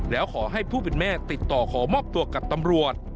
แล้วขอให้ผู้เป็นแม่ติดต่อขอมอบตัวกับตำรวจ